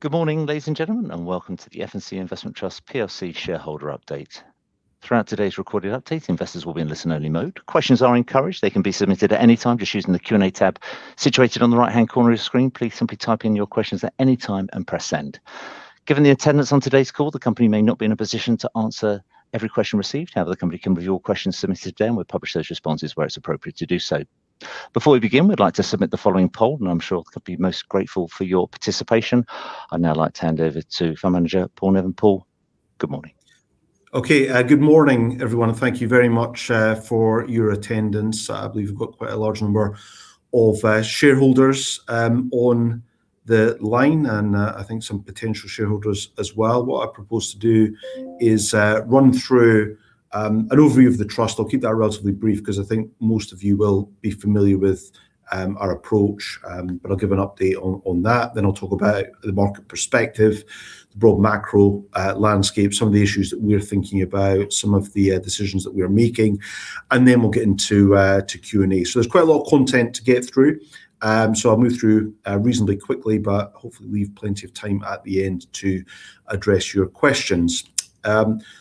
Good morning, ladies and gentlemen, and welcome to the F&C Investment Trust PLC shareholder update. Throughout today's recorded update, investors will be in listen-only mode. Questions are encouraged. They can be submitted at any time just using the Q&A tab situated on the right-hand corner of your screen. Please simply type in your questions at any time and press send. Given the attendance on today's call, the company may not be in a position to answer every question received. However, the company can review all questions submitted today, and we'll publish those responses where it's appropriate to do so. Before we begin, we'd like to submit the following poll, and I'm sure we'll be most grateful for your participation. I'd now like to hand over to Fund Manager Paul Niven. Paul, good morning. Okay, good morning, everyone, and thank you very much for your attendance. I believe we've got quite a large number of shareholders on the line, and I think some potential shareholders as well. What I propose to do is run through an overview of the trust. I'll keep that relatively brief 'cause I think most of you will be familiar with our approach. But I'll give an update on that. Then I'll talk about the market perspective, the broad macro landscape, some of the issues that we're thinking about, some of the decisions that we are making, and then we'll get into Q&A. So there's quite a lot of content to get through, so I'll move through reasonably quickly, but hopefully leave plenty of time at the end to address your questions.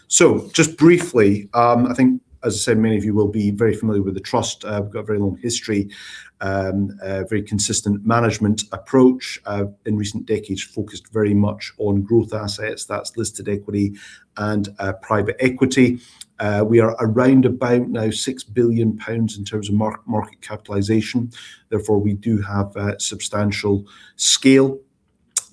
So just briefly, I think as I said, many of you will be very familiar with the trust. We've got a very long history, a very consistent management approach, in recent decades, focused very much on growth assets, that's listed equity and private equity. We are around about now 6 billion pounds in terms of market capitalization. Therefore, we do have substantial scale,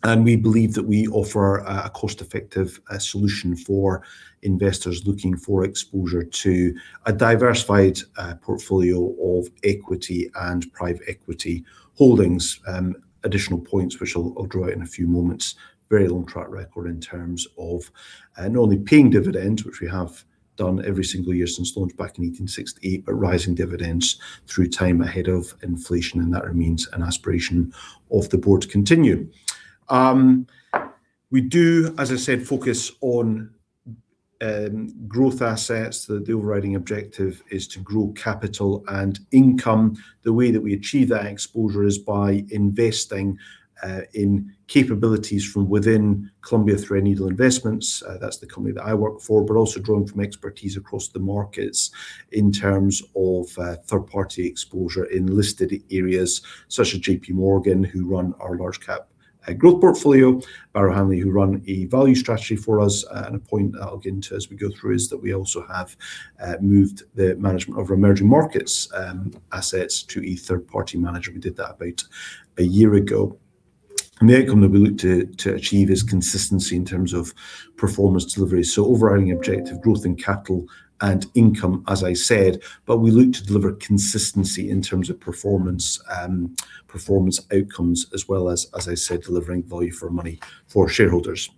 and we believe that we offer a cost-effective solution for investors looking for exposure to a diversified portfolio of equity and private equity holdings. Additional points, which I'll draw out in a few moments. Very long track record in terms of, not only paying dividends, which we have done every single year since launch back in 1868, but rising dividends through time ahead of inflation, and that remains an aspiration of the board to continue. We do, as I said, focus on growth assets. The overriding objective is to grow capital and income. The way that we achieve that exposure is by investing in capabilities from within Columbia Threadneedle Investments, that's the company that I work for, but also drawing from expertise across the markets in terms of, third-party exposure in listed areas, such as JPMorgan, who run our large cap growth portfolio, Barrow Hanley, who run a value strategy for us. And a point that I'll get into as we go through is that we also have moved the management of our emerging markets assets to a third-party manager. We did that about a year ago. And the outcome that we look to achieve is consistency in terms of performance delivery. So overriding objective, growth in capital and income, as I said, but we look to deliver consistency in terms of performance outcomes, as well as, as I said, delivering value for money for shareholders.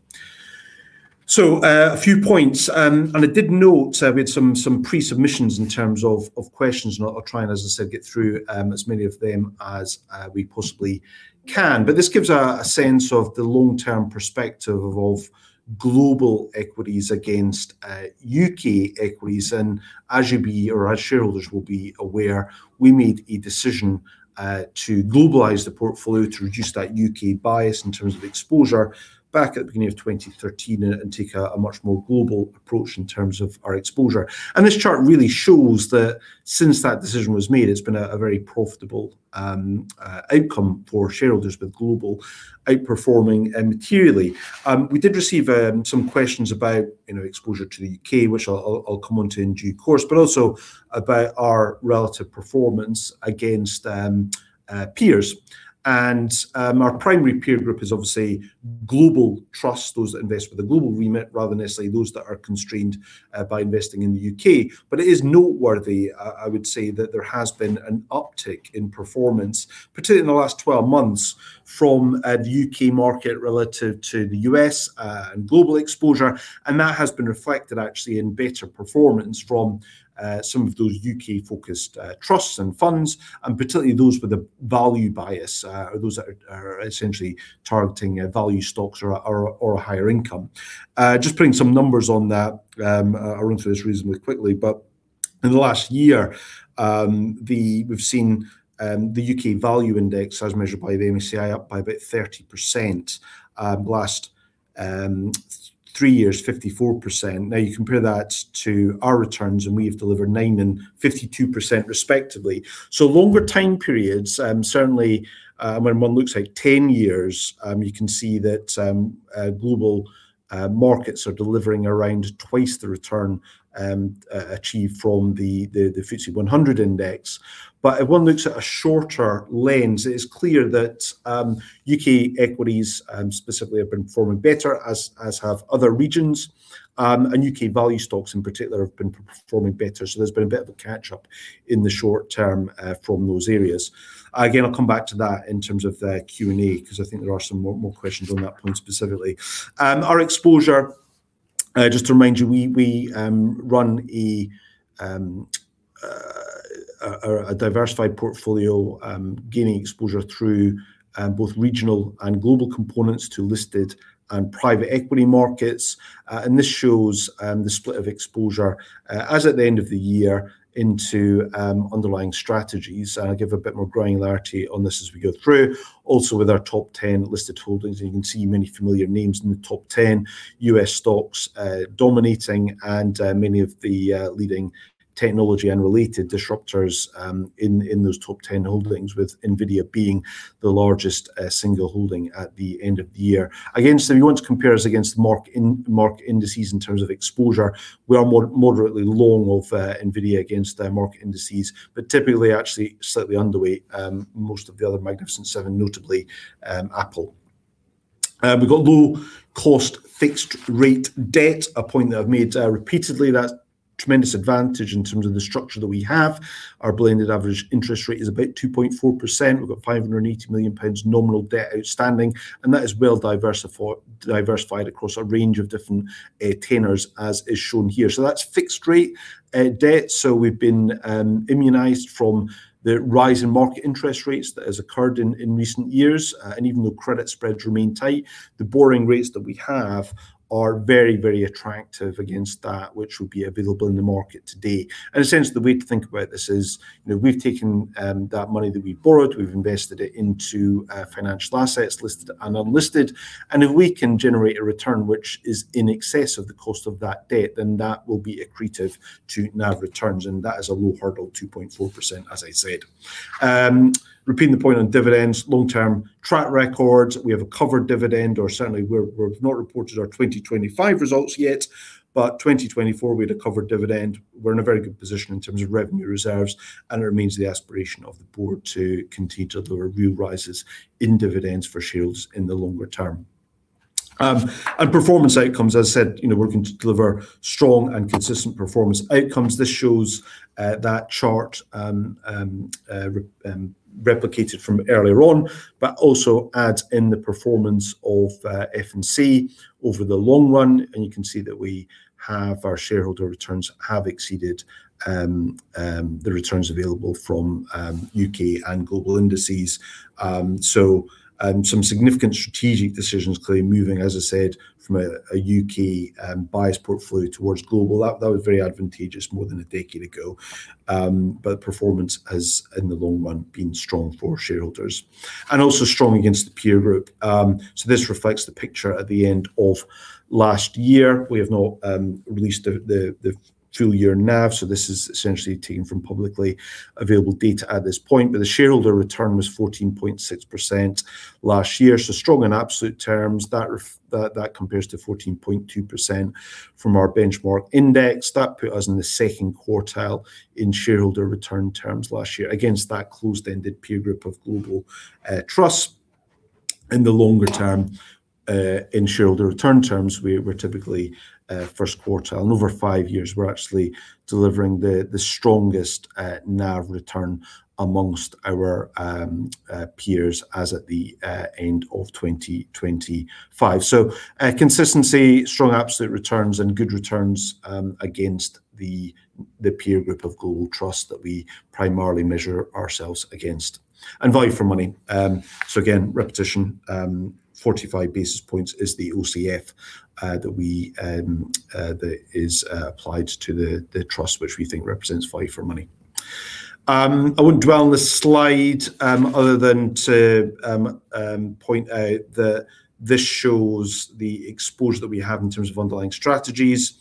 So, a few points, and I did note we had some pre-submissions in terms of questions, and I'll try and, as I said, get through as many of them as we possibly can. But this gives a sense of the long-term perspective of global equities against U.K. equities. As you'll be or as shareholders will be aware, we made a decision to globalize the portfolio to reduce that U.K. bias in terms of exposure back at the beginning of 2013 and take a much more global approach in terms of our exposure. And this chart really shows that since that decision was made, it's been a very profitable outcome for shareholders, with global outperforming materially. We did receive some questions about, you know, exposure to the U.K., which I'll come onto in due course, but also about our relative performance against peers. And our primary peer group is obviously global trusts, those that invest with a global remit, rather than necessarily those that are constrained by investing in the U.K.. But it is noteworthy, I would say, that there has been an uptick in performance, particularly in the last 12 months, from the U.K. market relative to the U.S., and global exposure, and that has been reflected actually in better performance from some of those U.K.-focused trusts and funds, and particularly those with a value bias, or those that are essentially targeting value stocks or a higher income. Just putting some numbers on that, I'll run through this reasonably quickly, but in the last year, we've seen the U.K. value index, as measured by the MSCI, up by about 30%. Last 3 years, 54%. Now, you compare that to our returns, and we have delivered 9% and 52% respectively. So longer time periods, certainly, when one looks at 10 years, you can see that, global markets are delivering around twice the return achieved from the FTSE 100 Index. But if one looks at a shorter lens, it is clear that, U.K. equities, specifically, have been performing better, as have other regions, and U.K. value stocks in particular have been performing better. So there's been a bit of a catch-up in the short term from those areas. Again, I'll come back to that in terms of the Q&A, 'cause I think there are some more questions on that point specifically. Our exposure, just to remind you, we run a... A diversified portfolio, gaining exposure through both regional and global components to listed and private equity markets. And this shows the split of exposure as at the end of the year into underlying strategies. I'll give a bit more granularity on this as we go through. Also, with our top 10 listed holdings, and you can see many familiar names in the top 10. U.S. stocks dominating and many of the leading technology and related disruptors in those top 10 holdings, with NVIDIA being the largest single holding at the end of the year. Again, so if you want to compare us against MSCI indices in terms of exposure, we are moderately long of NVIDIA against the market indices, but typically actually slightly underweight most of the other Magnificent Seven, notably Apple. We've got low-cost fixed rate debt, a point that I've made repeatedly. That's tremendous advantage in terms of the structure that we have. Our blended average interest rate is about 2.4%. We've got 580 million pounds nominal debt outstanding, and that is well diversified across a range of different tenors, as is shown here. So that's fixed rate debt. So we've been immunized from the rise in market interest rates that has occurred in recent years. And even though credit spreads remain tight, the borrowing rates that we have are very, very attractive against that which would be available in the market today. And essentially, the way to think about this is, you know, we've taken that money that we borrowed, we've invested it into financial assets, listed and unlisted. And if we can generate a return which is in excess of the cost of that debt, then that will be accretive to NAV returns, and that is a low hurdle, 2.4%, as I said. Repeating the point on dividends, long-term track records, we have a covered dividend or certainly we've, we've not reported our 2025 results yet, but 2024, we had a covered dividend. We're in a very good position in terms of revenue reserves, and it remains the aspiration of the board to continue to deliver real rises in dividends for shareholders in the longer term. And performance outcomes, as I said, you know, working to deliver strong and consistent performance outcomes. This shows that chart replicated from earlier on, but also adds in the performance of F&C over the long run. And you can see that we have... our shareholder returns have exceeded the returns available from U.K. and global indices. So, some significant strategic decisions clearly moving, as I said, from a U.K. bias portfolio towards global. That was very advantageous more than a decade ago. But performance has, in the long run, been strong for shareholders and also strong against the peer group. So this reflects the picture at the end of last year. We have not released the full year NAV, so this is essentially taken from publicly available data at this point, but the shareholder return was 14.6% last year. So strong in absolute terms, that compares to 14.2% from our benchmark index. That put us in the second quartile in shareholder return terms last year against that closed-ended peer group of global trusts. In the longer term, in shareholder return terms, we're typically first quartile. And over five years, we're actually delivering the strongest NAV return amongst our peers as at the end of 2025. Consistency, strong absolute returns, and good returns against the peer group of global trusts that we primarily measure ourselves against. Value for money. So again, repetition, 45 basis points is the OCF that is applied to the trust, which we think represents value for money. I won't dwell on this slide, other than to point out that this shows the exposure that we have in terms of underlying strategies.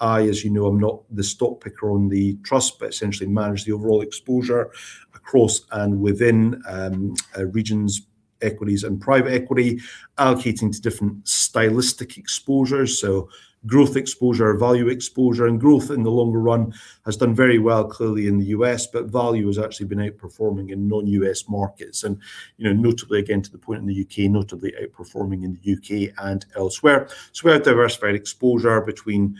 As you know, I'm not the stock picker on the trust, but essentially manage the overall exposure across and within regions, equities and private equity, allocating to different stylistic exposures. So growth exposure, value exposure, and growth in the longer run has done very well, clearly in the U.S., but value has actually been outperforming in non-U.S. markets. You know, notably again, to the point in the U.K., notably outperforming in the U.K. and elsewhere. We have diversified exposure between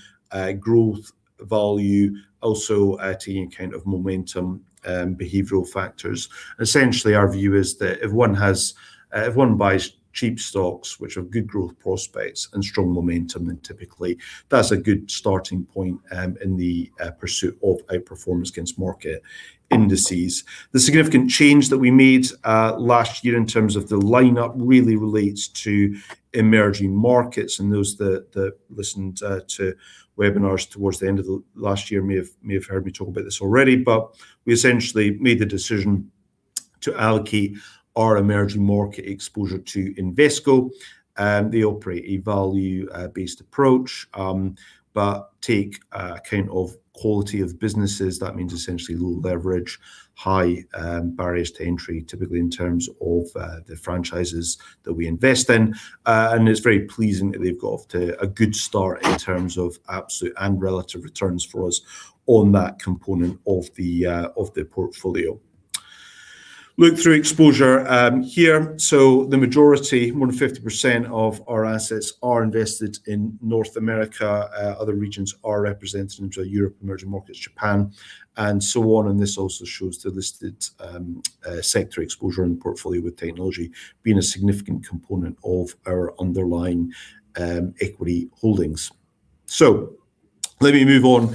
growth, value, also taking account of momentum, behavioral factors. Essentially, our view is that if one has, if one buys cheap stocks, which have good growth prospects and strong momentum, then typically that's a good starting point, in the pursuit of outperformance against market indices. The significant change that we made last year in terms of the lineup really relates to emerging markets, and those that listened to webinars towards the end of the last year may have heard me talk about this already. But we essentially made the decision to allocate our emerging market exposure to Invesco. They operate a value based approach, but take account of quality of businesses. That means essentially low leverage, high barriers to entry, typically in terms of the franchises that we invest in. And it's very pleasing that they've got off to a good start in terms of absolute and relative returns for us on that component of the portfolio. Look-through exposure here. So the majority, more than 50% of our assets, are invested in North America. Other regions are represented, in terms of Europe, emerging markets, Japan, and so on. And this also shows the listed sector exposure in the portfolio, with technology being a significant component of our underlying equity holdings. So, let me move on,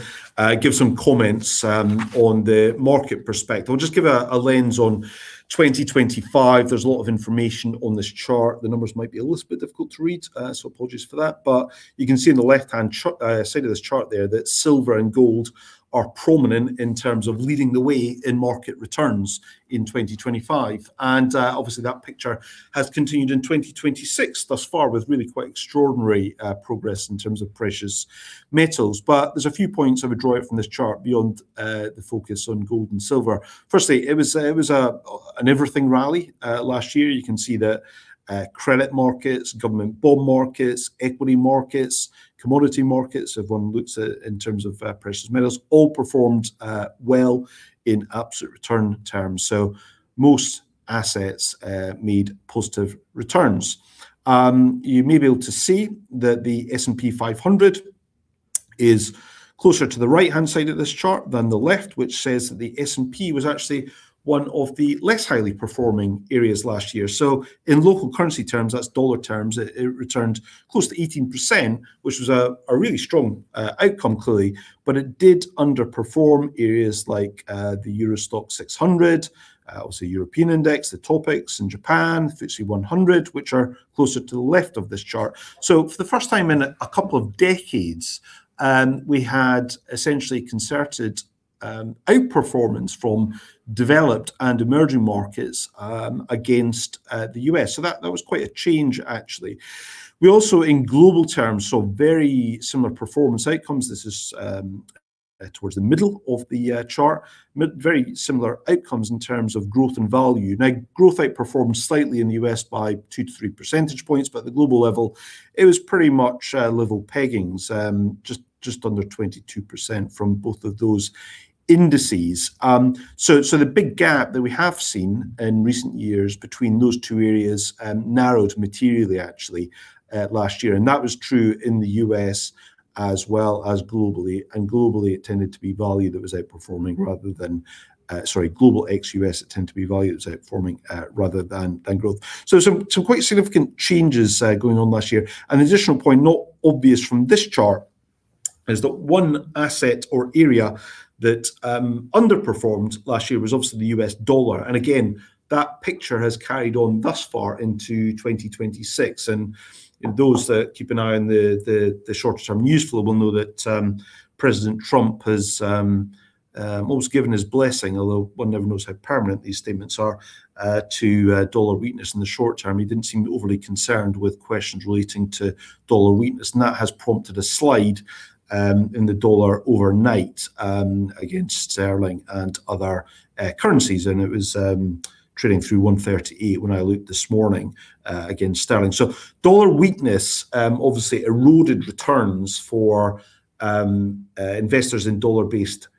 give some comments on the market perspective. I'll just give a lens on 2025. There's a lot of information on this chart. The numbers might be a little bit difficult to read, so apologies for that. But you can see on the left-hand side of this chart there, that silver and gold are prominent in terms of leading the way in market returns in 2025. And, obviously, that picture has continued in 2026 thus far, with really quite extraordinary progress in terms of precious metals. But there's a few points I would draw out from this chart beyond the focus on gold and silver. Firstly, it was a, it was a, an everything rally, last year. You can see that, credit markets, government bond markets, equity markets, commodity markets, if one looks at in terms of precious metals, all performed well in absolute return terms. So most assets made positive returns. You may be able to see that the S&P 500 is closer to the right-hand side of this chart than the left, which says that the S&P was actually one of the less highly performing areas last year. So in local currency terms, that's dollar terms, it returned close to 18%, which was a really strong outcome clearly, but it did underperform areas like the Euro STOXX 600, obviously European index, the TOPIX in Japan, FTSE 100, which are closer to the left of this chart. So for the first time in a couple of decades, we had essentially concerted outperformance from developed and emerging markets against the U.S.. So that was quite a change actually. We also, in global terms, saw very similar performance outcomes. This is towards the middle of the chart. Very similar outcomes in terms of growth and value. Now, growth outperformed slightly in the U.S. by 2-3 percentage points, but at the global level, it was pretty much level peggings, just under 22% from both of those indices. So the big gap that we have seen in recent years between those two areas narrowed materially actually last year, and that was true in the U.S. as well as globally, and globally it tended to be value that was outperforming rather than... Sorry, global ex U.S., it tended to be value that was outperforming rather than growth. So some quite significant changes going on last year. An additional point, not obvious from this chart, is that one asset or area that underperformed last year was obviously the U.S. dollar. And again, that picture has carried on thus far into 2026, and those that keep an eye on the shorter-term news flow will know that President Trump has almost given his blessing, although one never knows how permanent these statements are, to dollar weakness in the short term. He didn't seem overly concerned with questions relating to dollar weakness, and that has prompted a slide in the dollar overnight against sterling and other currencies, and it was trading through 1.38 when I looked this morning against sterling. So dollar weakness obviously eroded returns for sterling investors in dollar-based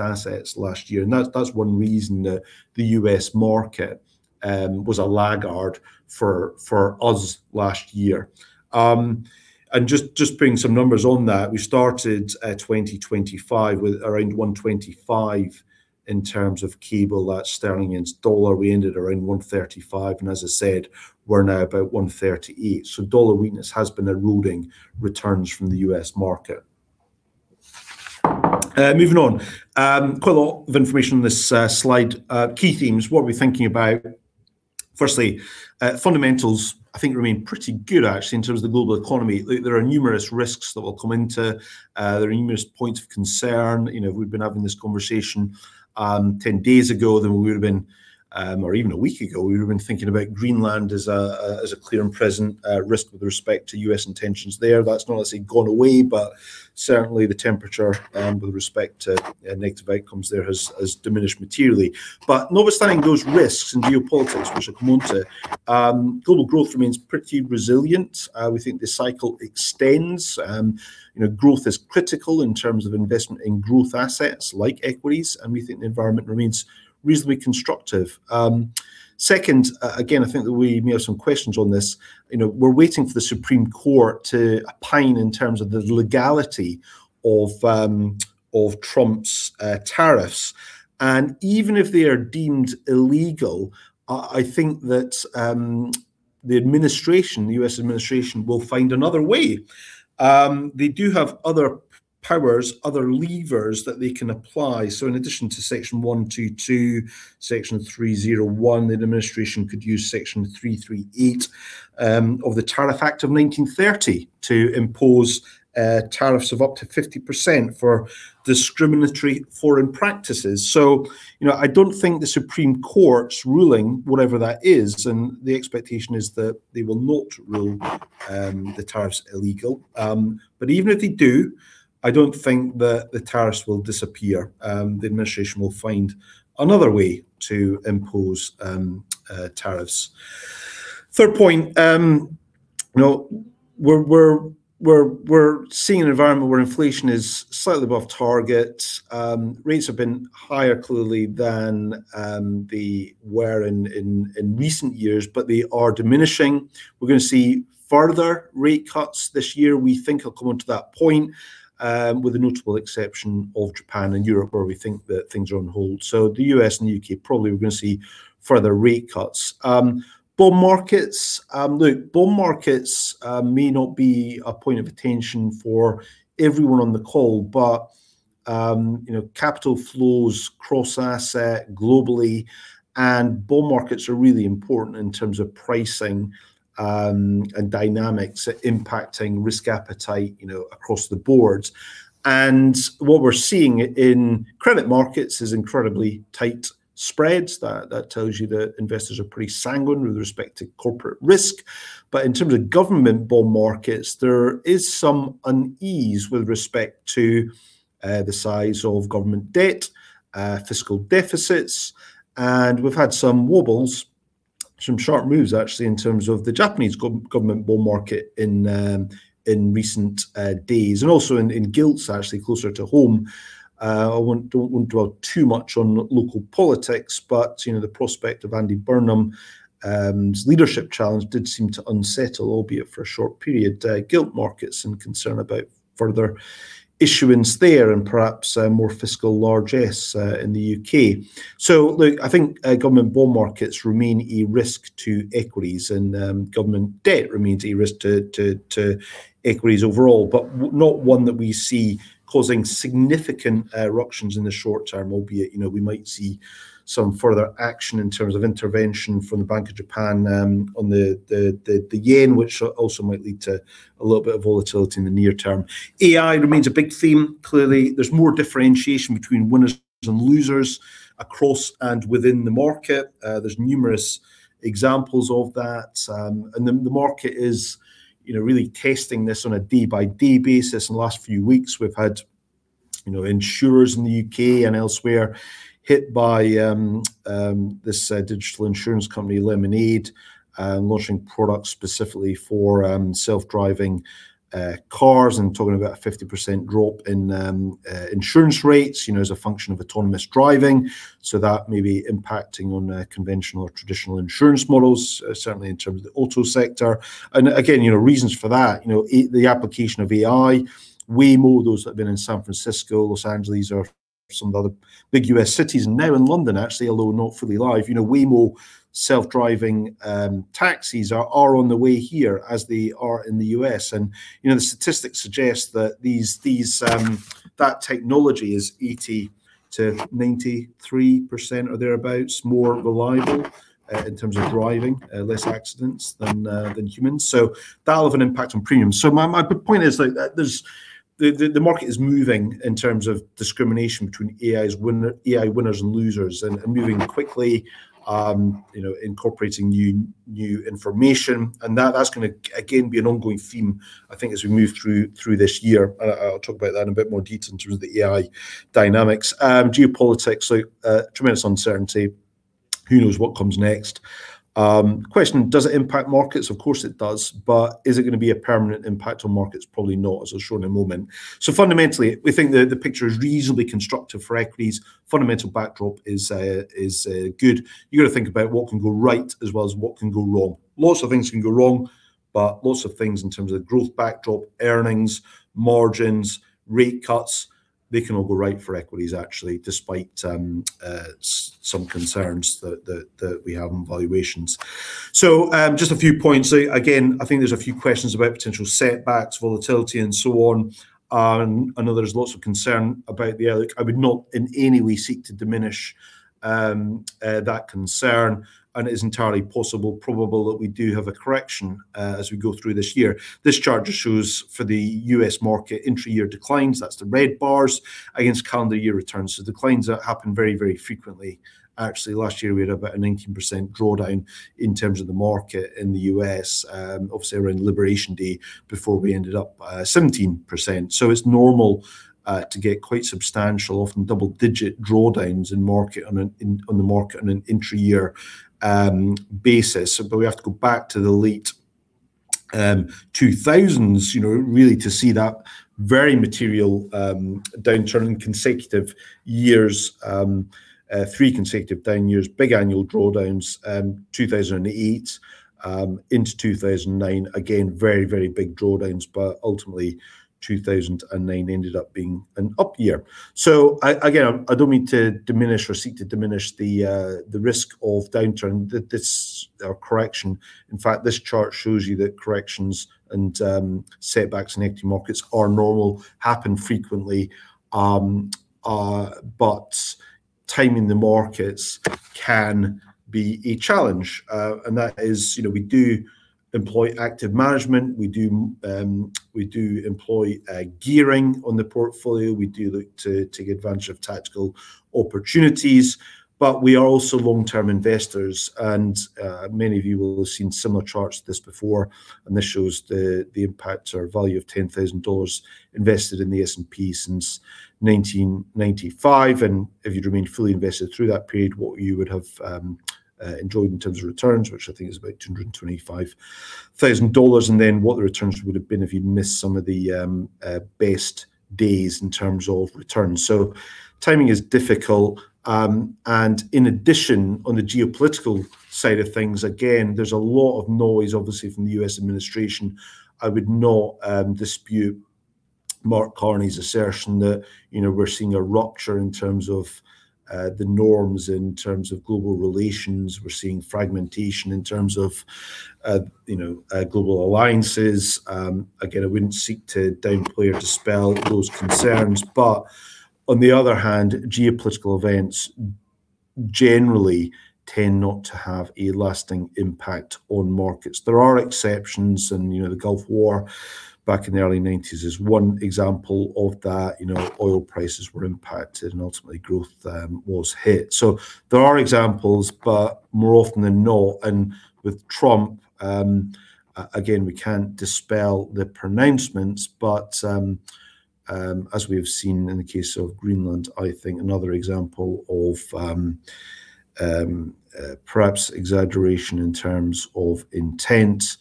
assets last year. That's one reason the U.S. market was a laggard for us last year. Just putting some numbers on that, we started 2025 with around 1.25 in terms of cable, that's sterling against dollar. We ended around 1.35, and as I said, we're now about 1.38. So dollar weakness has been eroding returns from the U.S. market. Moving on. Quite a lot of information on this slide. Key themes, what are we thinking about? Firstly, fundamentals I think remain pretty good actually, in terms of the global economy. There are numerous risks that we'll come into. There are numerous points of concern. You know, if we'd been having this conversation 10 days ago, then we would have been... Or even a week ago, we would have been thinking about Greenland as a, as a clear and present risk with respect to U.S. intentions there. That's not necessarily gone away, but certainly the temperature with respect to negative outcomes there has diminished materially. But notwithstanding those risks in geopolitics, which I'll come on to, global growth remains pretty resilient. We think the cycle extends. You know, growth is critical in terms of investment in growth assets like equities, and we think the environment remains reasonably constructive. Second, again, I think that we may have some questions on this. You know, we're waiting for the Supreme Court to opine in terms of the legality of Trump's tariffs. And even if they are deemed illegal, I think that, the administration, the U.S. administration, will find another way. They do have other powers, other levers that they can apply. So in addition to Section 122, Section 301, the administration could use Section 338, of the Tariff Act of 1930, to impose, tariffs of up to 50% for discriminatory foreign practices. So, you know, I don't think the Supreme Court's ruling, whatever that is, and the expectation is that they will not rule, the tariffs illegal. But even if they do, I don't think that the tariffs will disappear. The administration will find another way to impose, tariffs.... Third point, you know, we're seeing an environment where inflation is slightly above target. Rates have been higher, clearly, than they were in recent years, but they are diminishing. We're gonna see further rate cuts this year. We think I'll come on to that point, with the notable exception of Japan and Europe, where we think that things are on hold. So the U.S. and U.K., probably we're gonna see further rate cuts. Bond markets, look, bond markets may not be a point of attention for everyone on the call, but, you know, capital flows cross-asset globally, and bond markets are really important in terms of pricing, and dynamics impacting risk appetite, you know, across the board. And what we're seeing in credit markets is incredibly tight spreads. That tells you that investors are pretty sanguine with respect to corporate risk. But in terms of government bond markets, there is some unease with respect to the size of government debt, fiscal deficits, and we've had some wobbles, some sharp moves, actually, in terms of the Japanese government bond market in recent days, and also in gilts, actually, closer to home. I don't want to dwell too much on local politics, but, you know, the prospect of Andy Burnham leadership challenge did seem to unsettle, albeit for a short period, gilt markets and concern about further issuance there and perhaps more fiscal largesse in the U.K.. So, look, I think government bond markets remain a risk to equities, and government debt remains a risk to equities overall, but not one that we see causing significant disruptions in the short term. Albeit, you know, we might see some further action in terms of intervention from the Bank of Japan, on the yen, which also might lead to a little bit of volatility in the near term. AI remains a big theme. Clearly, there's more differentiation between winners and losers across and within the market. There's numerous examples of that. And the market is, you know, really testing this on a day-by-day basis. In the last few weeks, we've had, you know, insurers in the U.K. and elsewhere hit by this digital insurance company, Lemonade, launching products specifically for self-driving cars and talking about a 50% drop in insurance rates, you know, as a function of autonomous driving. So that may be impacting on, conventional or traditional insurance models, certainly in terms of the auto sector. And again, you know, reasons for that, you know, the application of AI, Waymo, those that have been in San Francisco, Los Angeles, or some of the other big U.S. cities, and now in London, actually, although not fully live. You know, Waymo self-driving taxis are on the way here as they are in the U.S.. And, you know, the statistics suggest that these that technology is 80%-93% or thereabouts, more reliable, in terms of driving, less accidents than than humans. So that'll have an impact on premiums. So my point is that, that there's... The market is moving in terms of discrimination between AI winners and losers and moving quickly, you know, incorporating new information. And that's gonna again be an ongoing theme, I think, as we move through this year. And I'll talk about that in a bit more detail in terms of the AI dynamics. Geopolitics, so tremendous uncertainty. Who knows what comes next? Question: Does it impact markets? Of course it does, but is it gonna be a permanent impact on markets? Probably not, as I'll show in a moment. So fundamentally, we think that the picture is reasonably constructive for equities. Fundamental backdrop is good. You got to think about what can go right as well as what can go wrong. Lots of things can go wrong, but lots of things in terms of growth backdrop, earnings, margins, rate cuts, they can all go right for equities, actually, despite some concerns that, that, that we have on valuations. So, just a few points. Again, I think there's a few questions about potential setbacks, volatility, and so on. And I know there's lots of concern about the other. I would not in any way seek to diminish that concern, and it is entirely possible, probable, that we do have a correction as we go through this year. This chart just shows for the U.S. market, intra-year declines, that's the red bars, against calendar year returns. So declines happen very, very frequently. Actually, last year, we had about a 19% drawdown in terms of the market in the U.S., obviously around Liberation Day, before we ended up 17%. So it's normal to get quite substantial, often double-digit drawdowns in the market on an intra-year basis. But we have to go back to the late 2000s, you know, really, to see that very material downturn in consecutive years, three consecutive down years, big annual drawdowns. 2008 into 2009, again, very, very big drawdowns, but ultimately, 2009 ended up being an up year. So I, again, I don't mean to diminish or seek to diminish the the risk of downturn, this, or correction. In fact, this chart shows you that corrections and setbacks in equity markets are normal, happen frequently, but timing the markets can be a challenge. And that is, you know, we do employ active management, we do, we do employ gearing on the portfolio. We do look to take advantage of tactical opportunities, but we are also long-term investors, and many of you will have seen similar charts to this before, and this shows the impact or value of $10,000 invested in the S&P since 1995. And if you'd remained fully invested through that period, what you would have enjoyed in terms of returns, which I think is about $225,000, and then what the returns would have been if you'd missed some of the best days in terms of returns. So timing is difficult, and in addition, on the geopolitical side of things, again, there's a lot of noise, obviously, from the U.S. administration. I would not dispute Mark Carney's assertion that, you know, we're seeing a rupture in terms of the norms, in terms of global relations. We're seeing fragmentation in terms of, you know, global alliances. Again, I wouldn't seek to downplay or dispel those concerns, but on the other hand, geopolitical events generally tend not to have a lasting impact on markets. There are exceptions, and, you know, the Gulf War back in the early nineties is one example of that. You know, oil prices were impacted, and ultimately, growth, was hit. So there are examples, but more often than not, and with Trump, again, we can't dispel the pronouncements, but, as we have seen in the case of Greenland, I think another example of, perhaps exaggeration in terms of intent,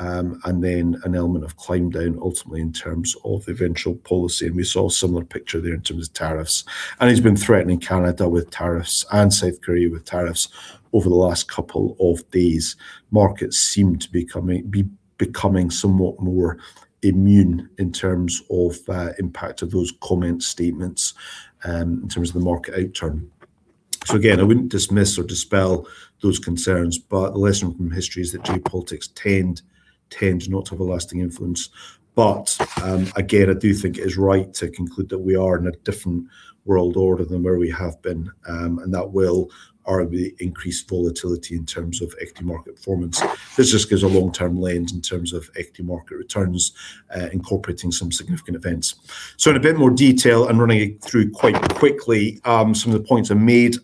and then an element of climb down ultimately in terms of eventual policy, and we saw a similar picture there in terms of tariffs. And he's been threatening Canada with tariffs and South Korea with tariffs over the last couple of days. Markets seem to be becoming somewhat more immune in terms of, impact of those comment statements, in terms of the market outcome. So again, I wouldn't dismiss or dispel those concerns, but the lesson from history is that geopolitics tend not to have a lasting influence. But again, I do think it is right to conclude that we are in a different world order than where we have been. And that will arguably increase volatility in terms of equity market performance. This just gives a long-term lens in terms of equity market returns, incorporating some significant events. So in a bit more detail and running it through quite quickly, some of the points I made.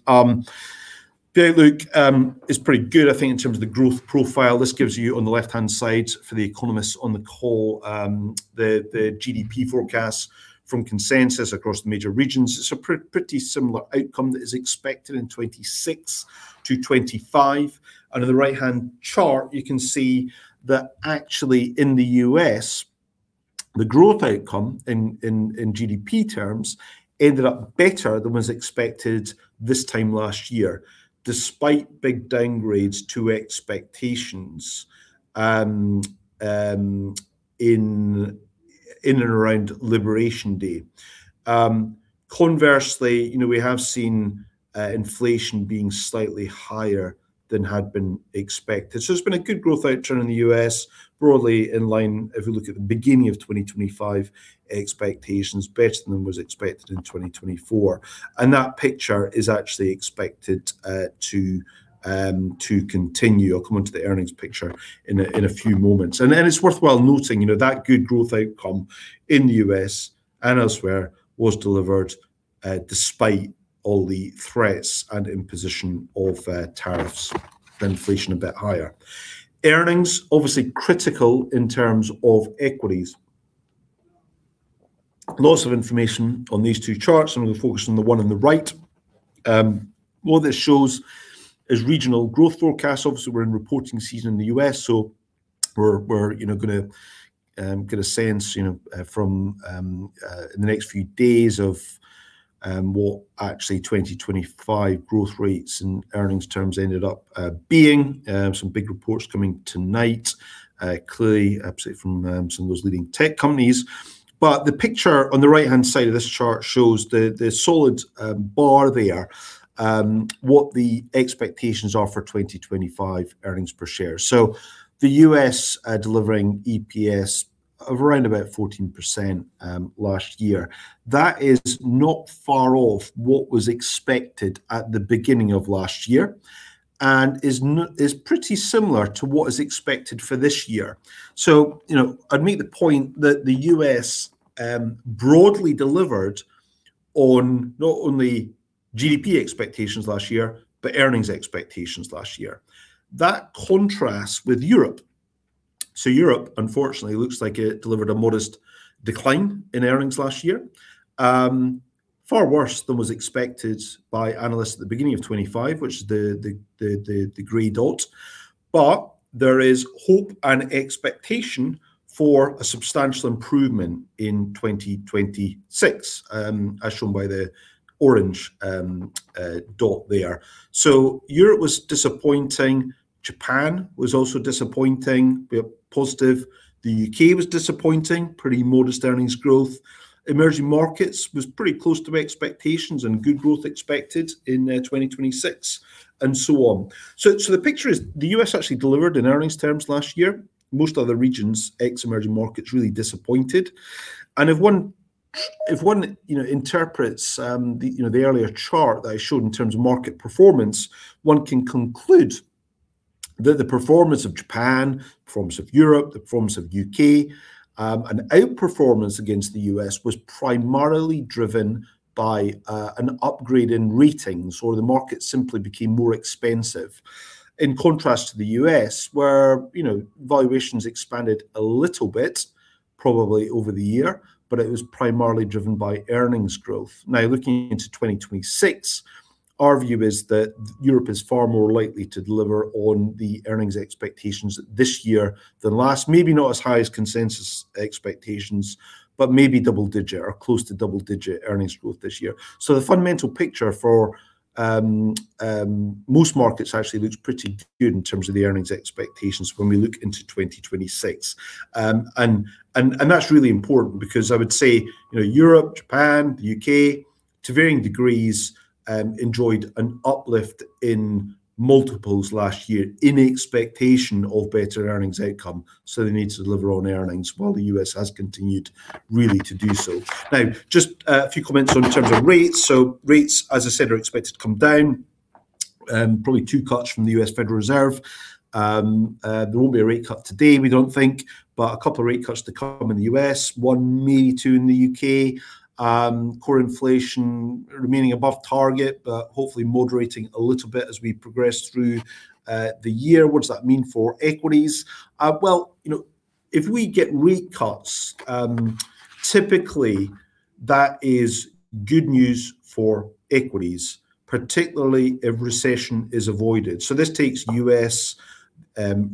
The outlook is pretty good, I think, in terms of the growth profile. This gives you, on the left-hand side, for the economists on the call, the GDP forecast from consensus across the major regions. It's a pretty similar outcome that is expected in 2026 to 2025, and on the right-hand chart, you can see that actually in the U.S., the growth outcome in GDP terms ended up better than was expected this time last year, despite big downgrades to expectations in and around Liberation Day. Conversely, you know, we have seen inflation being slightly higher than had been expected. So there's been a good growth outturn in the U.S., broadly in line if you look at the beginning of 2025 expectations, better than was expected in 2024, and that picture is actually expected to continue. I'll come on to the earnings picture in a few moments. It's worthwhile noting, you know, that good growth outcome in the U.S. and elsewhere was delivered, despite all the threats and imposition of, tariffs, then inflation a bit higher. Earnings, obviously critical in terms of equities. Lots of information on these two charts, and I'm gonna focus on the one on the right. What this shows is regional growth forecasts. Obviously, we're in reporting season in the U.S., so we're gonna get a sense, you know, from in the next few days of what actually 2025 growth rates and earnings terms ended up being. Some big reports coming tonight, clearly, absolutely, from some of those leading tech companies. But the picture on the right-hand side of this chart shows the solid bar there, what the expectations are for 2025 earnings per share. So the U.S., delivering EPS of around about 14%, last year. That is not far off what was expected at the beginning of last year and is pretty similar to what is expected for this year. So, you know, I'd make the point that the U.S., broadly delivered on not only GDP expectations last year, but earnings expectations last year. That contrasts with Europe. So Europe, unfortunately, looks like it delivered a modest decline in earnings last year. Far worse than was expected by analysts at the beginning of 2025, which is the gray dot. But there is hope and expectation for a substantial improvement in 2026, as shown by the orange dot there. So Europe was disappointing. Japan was also disappointing, but positive. The U.K. was disappointing, pretty modest earnings growth. Emerging markets was pretty close to expectations and good growth expected in 2026, and so on. So the picture is the U.S. actually delivered in earnings terms last year. Most other regions, ex-emerging markets, really disappointed. And if one, you know, interprets the earlier chart that I showed in terms of market performance, one can conclude that the performance of Japan, the performance of Europe, the performance of the U.K., and outperformance against the U.S. was primarily driven by an upgrade in ratings, or the market simply became more expensive. In contrast to the U.S., where, you know, valuations expanded a little bit, probably over the year, but it was primarily driven by earnings growth. Now, looking into 2026, our view is that Europe is far more likely to deliver on the earnings expectations this year than last. Maybe not as high as consensus expectations, but maybe double-digit or close to double-digit earnings growth this year. So the fundamental picture for most markets actually looks pretty good in terms of the earnings expectations when we look into 2026. And that's really important because I would say, you know, Europe, Japan, the U.K., to varying degrees, enjoyed an uplift in multiples last year in expectation of better earnings outcome. So they need to deliver on earnings, while the U.S. has continued really to do so. Now, just a few comments in terms of rates. So rates, as I said, are expected to come down, probably 2 cuts from the U.S. Federal Reserve. There won't be a rate cut today, we don't think, but a couple of rate cuts to come in the U.S., 1, maybe 2 in the U.K. Core inflation remaining above target, but hopefully moderating a little bit as we progress through the year. What does that mean for equities? Well, you know, if we get rate cuts, typically, that is good news for equities, particularly if recession is avoided. So this takes U.S.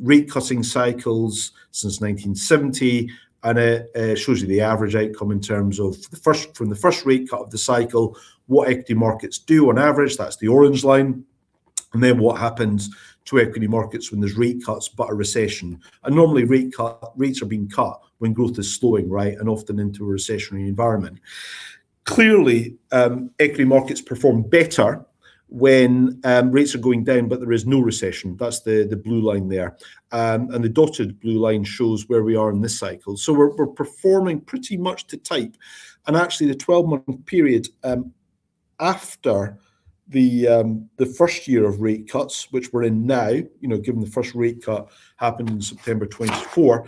rate cutting cycles since 1970, and shows you the average outcome in terms of the first rate cut of the cycle, what equity markets do on average, that's the orange line. And then what happens to equity markets when there's rate cuts, but a recession. Normally, rate cut, rates are being cut when growth is slowing, right, and often into a recessionary environment. Clearly, equity markets perform better when rates are going down, but there is no recession. That's the blue line there. And the dotted blue line shows where we are in this cycle. So we're performing pretty much to type. And actually, the 12-month period after the first year of rate cuts, which we're in now, you know, given the first rate cut happened in September 2024,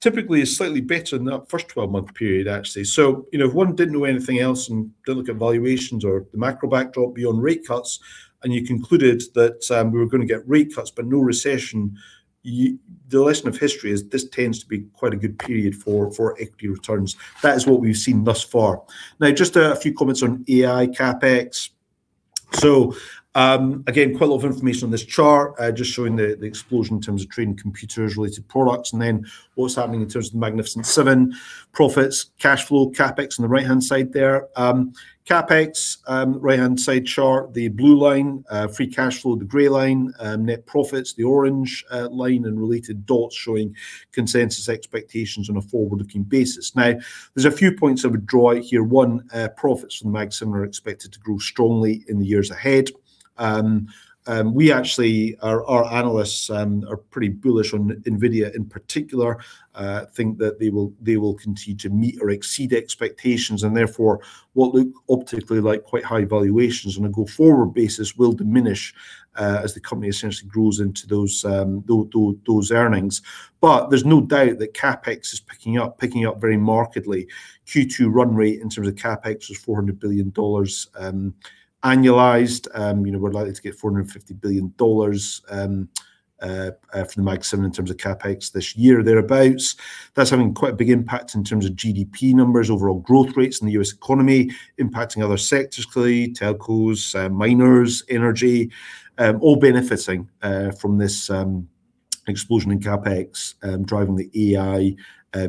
typically is slightly better than that first 12-month period, actually. So, you know, if one didn't know anything else and didn't look at valuations or the macro backdrop beyond rate cuts, and you concluded that we were going to get rate cuts but no recession, the lesson of history is this tends to be quite a good period for equity returns. That is what we've seen thus far. Now, just a few comments on AI, CapEx. So, again, quite a lot of information on this chart, just showing the explosion in terms of training computers, related products, and then what's happening in terms of the Magnificent Seven, profits, cash flow, CapEx on the right-hand side there. CapEx, right-hand side chart, the blue line, free cash flow, the gray line, net profits, the orange line, and related dots showing consensus expectations on a forward-looking basis. Now, there's a few points I would draw out here. One, profits from the Mag Seven are expected to grow strongly in the years ahead. We actually... Our analysts are pretty bullish on NVIDIA in particular, think that they will continue to meet or exceed expectations, and therefore, what look optically like quite high valuations on a go-forward basis will diminish, as the company essentially grows into those earnings. But there's no doubt that CapEx is picking up, picking up very markedly. Q2 run rate in terms of CapEx was $400 billion annualized. You know, we're likely to get $450 billion from the Mag Seven in terms of CapEx this year, thereabouts. That's having quite a big impact in terms of GDP numbers, overall growth rates in the U.S. economy, impacting other sectors, clearly, telcos, miners, energy, all benefiting from this explosion in CapEx, driving the AI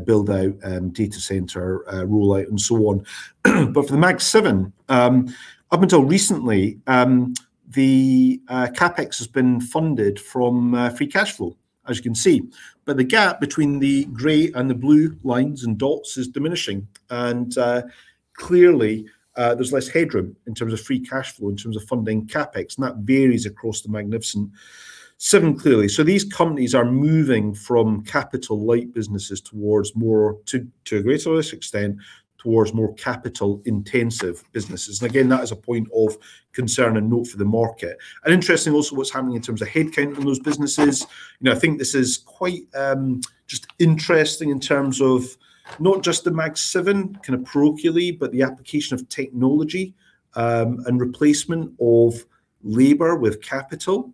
build-out, data center rollout, and so on. But for the Mag Seven, up until recently, the CapEx has been funded from free cash flow, as you can see. But the gap between the gray and the blue lines and dots is diminishing, and clearly, there's less headroom in terms of free cash flow, in terms of funding CapEx, and that varies across the Magnificent Seven, clearly. So these companies are moving from capital-light businesses towards more... to, to a greater extent, towards more capital-intensive businesses. And again, that is a point of concern and note for the market. Interesting also what's happening in terms of headcount in those businesses. You know, I think this is quite just interesting in terms of not just the Mag Seven, kind of broadly, but the application of technology and replacement of labor with capital.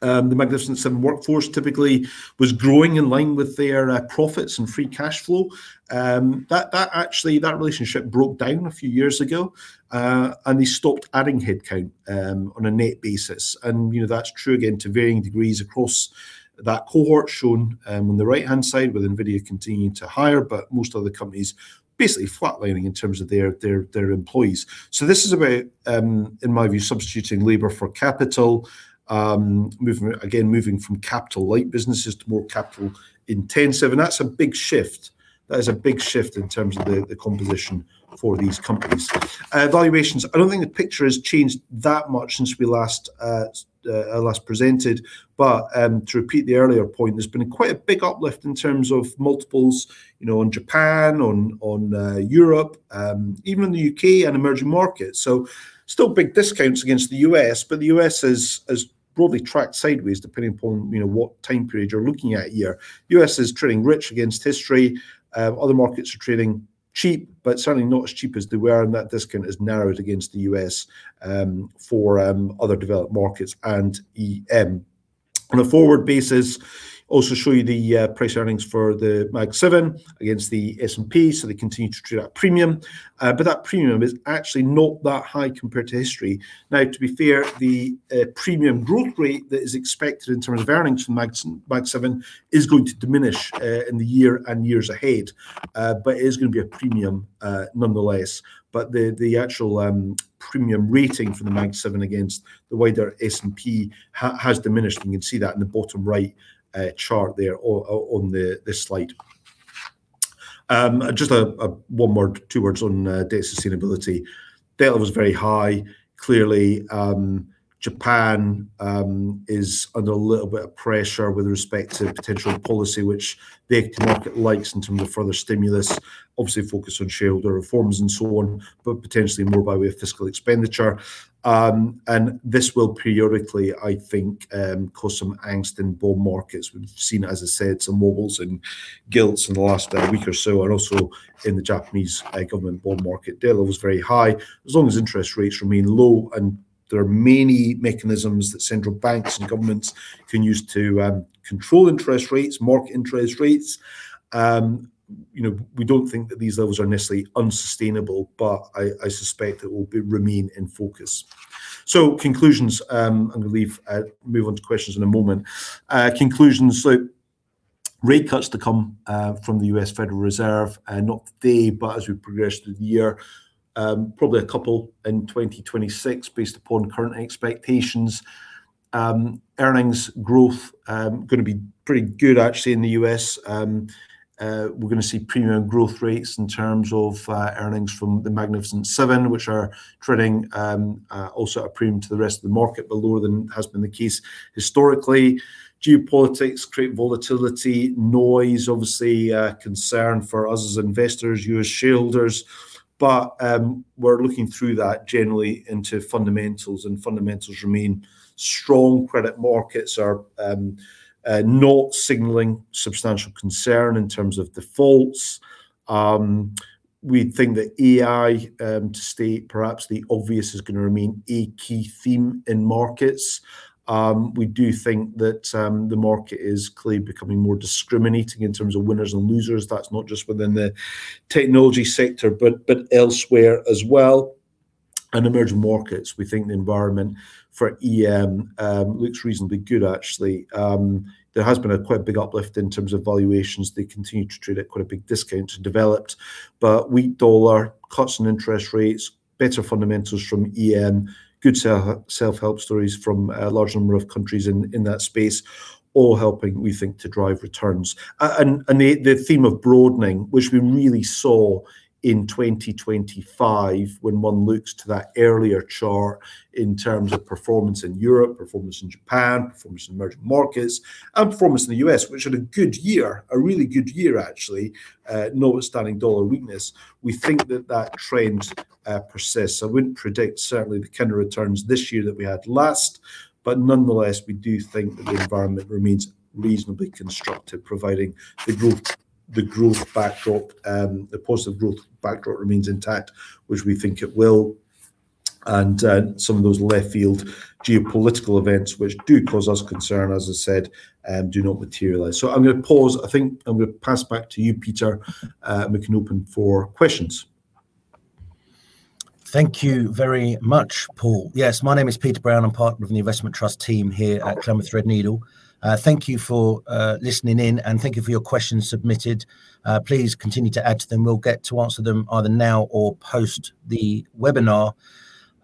The Magnificent Seven workforce typically was growing in line with their profits and free cash flow. That actually, the relationship broke down a few years ago, and they stopped adding headcount on a net basis. You know, that's true, again, to varying degrees across that cohort, shown on the right-hand side, with NVIDIA continuing to hire, but most other companies basically flatlining in terms of their employees. This is about, in my view, substituting labor for capital, again, moving from capital-light businesses to more capital-intensive, and that's a big shift. That is a big shift in terms of the, the composition for these companies. Valuations, I don't think the picture has changed that much since we last last presented, but, to repeat the earlier point, there's been quite a big uplift in terms of multiples, you know, on Japan, on Europe, even the U.K. and emerging markets. So still big discounts against the U.S., but the U.S. has, has broadly tracked sideways, depending upon, you know, what time period you're looking at here. U.S. is trading rich against history, other markets are trading cheap, but certainly not as cheap as they were, and that discount has narrowed against the U.S., for other developed markets and EM. On a forward basis, also show you the price earnings for the Mag Seven against the S&P, so they continue to trade at a premium. But that premium is actually not that high compared to history. Now, to be fair, the premium growth rate that is expected in terms of earnings from Mag Seven is going to diminish in the year and years ahead. But it is gonna be a premium nonetheless. But the actual premium rating for the Mag Seven against the wider S&P has diminished, and you can see that in the bottom right chart there on this slide. Just a one word, two words on debt sustainability. Debt was very high. Clearly, Japan is under a little bit of pressure with respect to potential policy, which the equity market likes in terms of further stimulus, obviously focused on shareholder reforms and so on, but potentially more by way of fiscal expenditure. This will periodically, I think, cause some angst in bond markets. We've seen, as I said, some wobbles in gilts in the last week or so, and also in the Japanese government bond market. Debt was very high. As long as interest rates remain low, and there are many mechanisms that central banks and governments can use to control interest rates, mark interest rates, you know, we don't think that these levels are necessarily unsustainable, but I, I suspect it will remain in focus. Conclusions, I'm gonna leave, move on to questions in a moment. Conclusions, so rate cuts to come, from the U.S. Federal Reserve, not today, but as we progress through the year, probably a couple in 2026 based upon current expectations. Earnings growth gonna be pretty good, actually, in the U.S. We're gonna see premium growth rates in terms of, earnings from the Magnificent Seven, which are trading, also a premium to the rest of the market, but lower than has been the case historically. Geopolitics create volatility, noise, obviously, a concern for us as investors, you as shareholders, but, we're looking through that generally into fundamentals, and fundamentals remain strong. Credit markets are, not signaling substantial concern in terms of defaults. We think that AI, to state perhaps the obvious, is gonna remain a key theme in markets. We do think that, the market is clearly becoming more discriminating in terms of winners and losers. That's not just within the technology sector, but elsewhere as well. And emerging markets, we think the environment for EM looks reasonably good, actually. There has been a quite big uplift in terms of valuations. They continue to trade at quite a big discount to developed, but weak dollar, cuts in interest rates, better fundamentals from EM, good self-help stories from a large number of countries in that space, all helping, we think, to drive returns. And the theme of broadening, which we really saw in 2025, when one looks to that earlier chart in terms of performance in Europe, performance in Japan, performance in emerging markets, and performance in the U.S., which had a good year, a really good year, actually, notwithstanding dollar weakness. We think that that trend persists. I wouldn't predict certainly the kind of returns this year that we had last, but nonetheless, we do think that the environment remains reasonably constructive, providing the growth, the growth backdrop, the positive growth backdrop remains intact, which we think it will, and some of those left field geopolitical events, which do cause us concern, as I said, do not materialize. So I'm gonna pass back to you, Peter, and we can open for questions. Thank you very much, Paul. Yes, my name is Peter Brown. I'm part of the investment trust team here at Columbia Threadneedle. Thank you for listening in, and thank you for your questions submitted. Please continue to add to them. We'll get to answer them either now or post the webinar.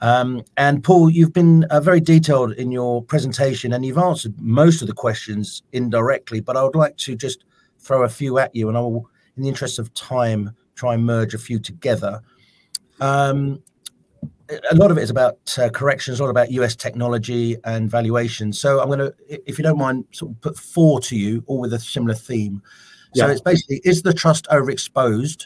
And Paul, you've been very detailed in your presentation, and you've answered most of the questions indirectly, but I would like to just throw a few at you, and I will, in the interest of time, try and merge a few together. A lot of it is about corrections, a lot about U.S. technology and valuation. So I'm gonna, if you don't mind, sort of put four to you, all with a similar theme. Yeah. So it's basically, is the trust overexposed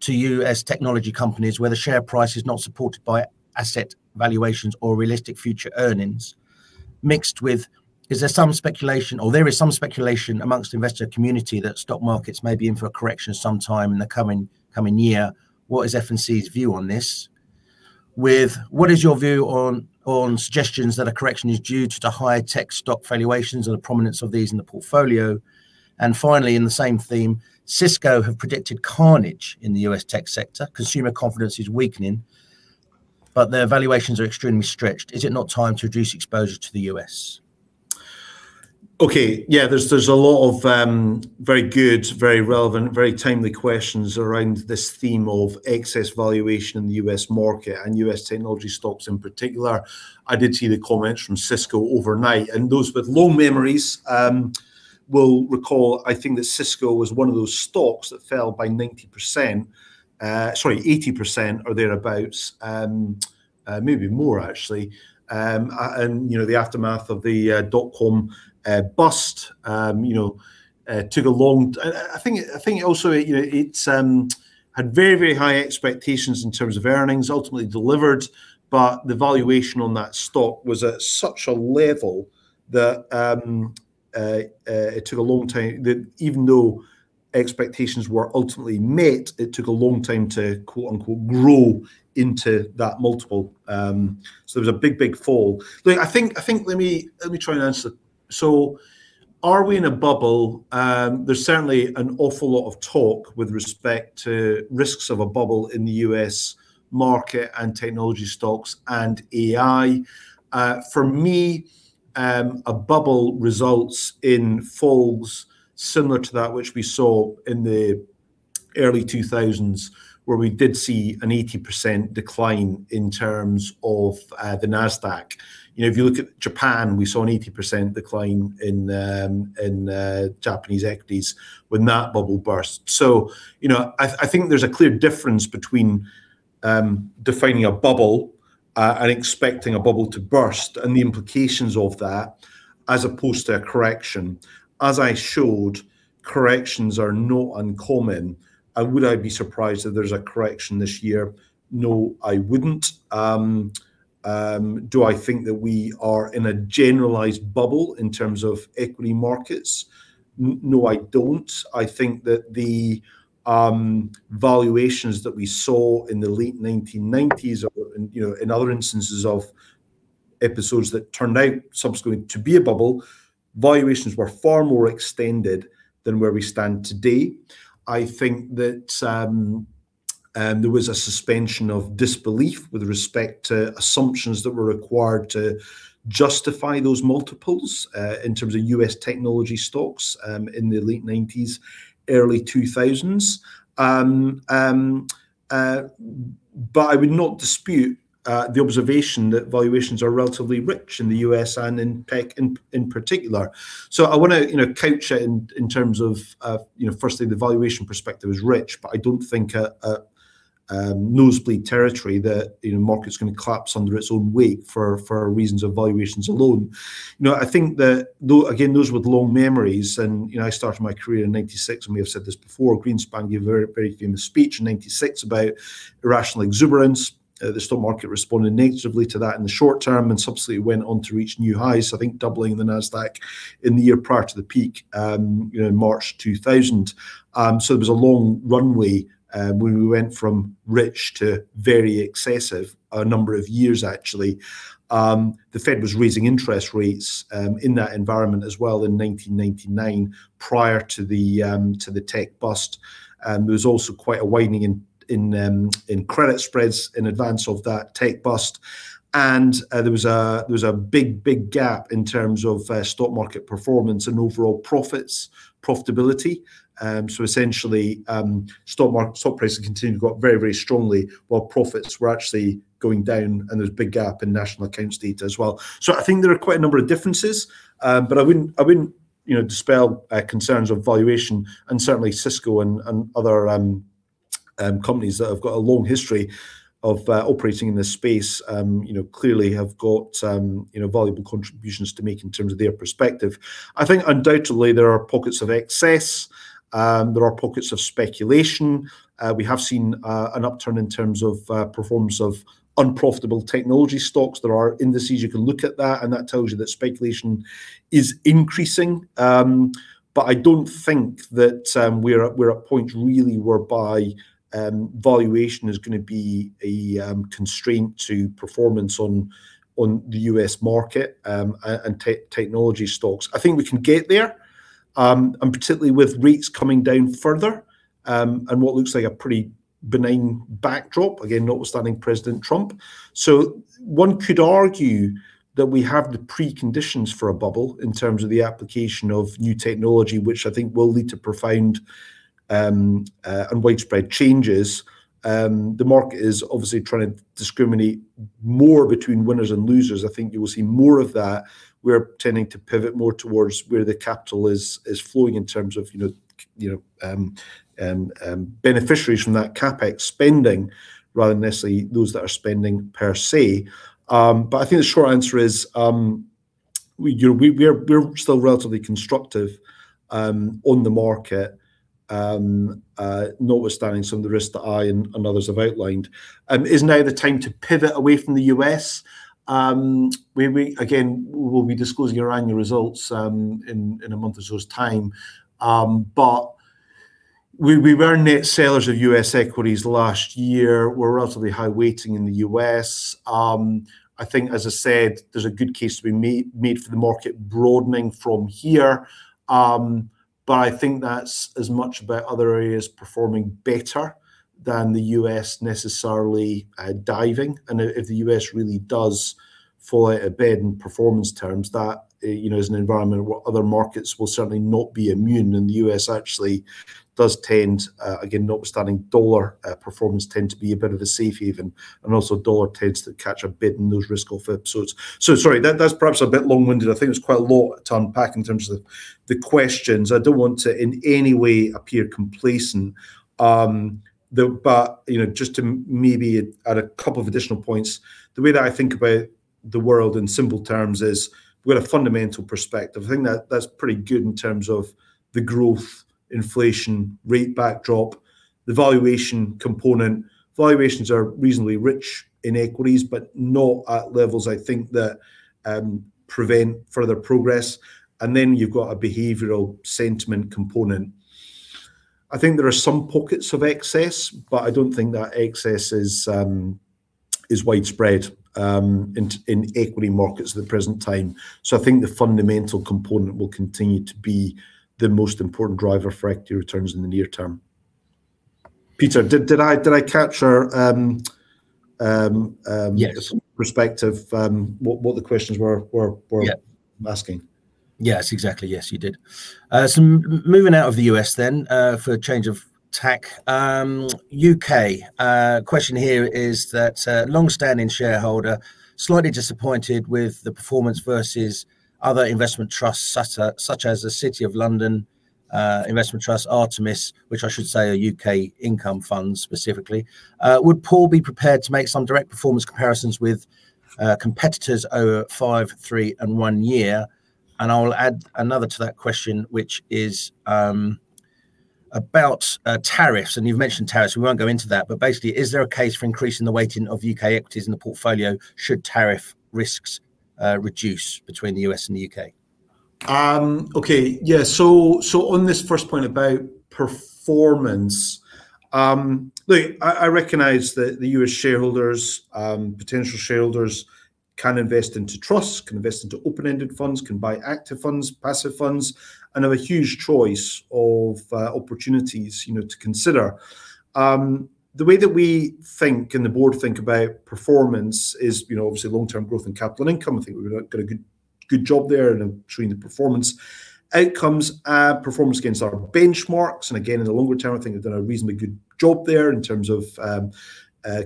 to U.S. technology companies, where the share price is not supported by asset valuations or realistic future earnings? Mixed with, is there some speculation, or there is some speculation amongst the investor community that stock markets may be in for a correction sometime in the coming year. What is F&C's view on this? What is your view on suggestions that a correction is due to the high-tech stock valuations and the prominence of these in the portfolio? And finally, in the same theme, Cisco have predicted carnage in the U.S. tech sector. Consumer confidence is weakening, but their valuations are extremely stretched. Is it not time to reduce exposure to the U.S.? Okay, yeah, there's a lot of very good, very relevant, very timely questions around this theme of excess valuation in the U.S. market and U.S. technology stocks in particular. I did see the comments from Cisco overnight, and those with long memories will recall, I think, that Cisco was one of those stocks that fell by 90%, sorry, 80% or thereabouts, maybe more actually, and, you know, the aftermath of the dot-com bust, you know, took a long time. I think it also, you know, it had very, very high expectations in terms of earnings, ultimately delivered, but the valuation on that stock was at such a level that it took a long time. That even though expectations were ultimately met, it took a long time to, quote-unquote, grow into that multiple. So there was a big, big fall. Look, I think, I think, let me, let me try and answer. So are we in a bubble? There's certainly an awful lot of talk with respect to risks of a bubble in the U.S. market and technology stocks and AI. For me, a bubble results in falls similar to that which we saw in the early 2000s, where we did see an 80% decline in terms of the Nasdaq. You know, if you look at Japan, we saw an 80% decline in Japanese equities when that bubble burst. So, you know, I think there's a clear difference between defining a bubble and expecting a bubble to burst and the implications of that, as opposed to a correction. As I showed, corrections are not uncommon. And would I be surprised that there's a correction this year? No, I wouldn't. Do I think that we are in a generalized bubble in terms of equity markets? No, I don't. I think that the valuations that we saw in the late 1990s or, you know, in other instances of episodes that turned out subsequently to be a bubble, valuations were far more extended than where we stand today. I think that there was a suspension of disbelief with respect to assumptions that were required to justify those multiples in terms of U.S. technology stocks in the late 1990s, early 2000s. But I would not dispute the observation that valuations are relatively rich in the U.S. and in tech, in particular. So I wanna, you know, couch it in terms of, you know, firstly, the valuation perspective is rich, but I don't think nosebleed territory, that, you know, market's gonna collapse under its own weight for reasons of valuations alone. You know, I think that though, again, those with long memories and, you know, I started my career in 1996, I may have said this before, Greenspan gave a very, very famous speech in 1996 about irrational exuberance. The stock market responded negatively to that in the short term and subsequently went on to reach new highs, I think doubling the Nasdaq in the year prior to the peak, you know, in March 2000. So there was a long runway, where we went from rich to very excessive, a number of years, actually. The Fed was raising interest rates, in that environment as well, in 1999, prior to the tech bust. There was also quite a widening in credit spreads in advance of that tech bust. And there was a big gap in terms of stock market performance and overall profits, profitability. So essentially, stock prices continued to go up very, very strongly while profits were actually going down, and there was a big gap in national accounts data as well. So I think there are quite a number of differences, but I wouldn't, you know, dispel concerns of valuation. Certainly, Cisco and other companies that have got a long history of operating in this space, you know, clearly have got you know valuable contributions to make in terms of their perspective. I think undoubtedly there are pockets of excess, there are pockets of speculation. We have seen an upturn in terms of performance of unprofitable technology stocks. There are indices you can look at that, and that tells you that speculation is increasing. But I don't think that we're at a point really whereby valuation is gonna be a constraint to performance on the U.S. market, and technology stocks. I think we can get there, and particularly with rates coming down further, and what looks like a pretty benign backdrop, again, notwithstanding President Trump. So one could argue that we have the preconditions for a bubble in terms of the application of new technology, which I think will lead to profound, and widespread changes. The market is obviously trying to discriminate more between winners and losers. I think you will see more of that. We're tending to pivot more towards where the capital is flowing in terms of, beneficiaries from that CapEx spending, rather than necessarily those that are spending per se. But I think the short answer is, we're still relatively constructive on the market, notwithstanding some of the risks that I and others have outlined. Is now the time to pivot away from the U.S.? Again, we'll be disclosing our annual results in a month or so's time. But we were net sellers of U.S. equities last year. We're relatively high weighting in the U.S. I think, as I said, there's a good case to be made for the market broadening from here. But I think that's as much about other areas performing better than the U.S. necessarily diving. And if the U.S. really does fall out of bed in performance terms, that you know is an environment where other markets will certainly not be immune. And the U.S. actually does tend again, notwithstanding dollar performance, tend to be a bit of a safe haven, and also dollar tends to catch a bit in those risk-off episodes. So sorry, that's perhaps a bit long-winded. I think there's quite a lot to unpack in terms of the, the questions. I don't want to in any way appear complacent. But, you know, just to maybe add a couple of additional points. The way that I think about the world in simple terms is we've got a fundamental perspective. I think that that's pretty good in terms of the growth, inflation, rate backdrop. The valuation component, valuations are reasonably rich in equities, but not at levels I think that prevent further progress. And then you've got a behavioral sentiment component. I think there are some pockets of excess, but I don't think that excess is widespread in equity markets at the present time. So I think the fundamental component will continue to be the most important driver for equity returns in the near term. Peter, did I capture... Yes perspective, what the questions were Yeah -asking? Yes, exactly. Yes, you did. So moving out of the U.S. then, for a change of tack. U.K. question here is that, long-standing shareholder, slightly disappointed with the performance versus other investment trusts, such as the City of London Investment Trust, Artemis, which I should say are U.K. income funds specifically. Would Paul be prepared to make some direct performance comparisons with competitors over 5, 3, and 1 year? And I'll add another to that question, which is about tariffs, and you've mentioned tariffs. We won't go into that, but basically, is there a case for increasing the weighting of U.K. equities in the portfolio, should tariff risks reduce between the U.S. and the U.K.? Okay. Yeah, so on this first point about performance, look, I recognize that the U.S. shareholders, potential shareholders can invest into trusts, can invest into open-ended funds, can buy active funds, passive funds, and have a huge choice of opportunities, you know, to consider. The way that we think, and the board think about performance is, you know, obviously long-term growth in capital and income. I think we've done a good, good job there in between the performance outcomes. Performance against our benchmarks, and again, in the longer term, I think we've done a reasonably good job there in terms of